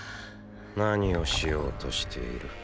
何をしようとしている？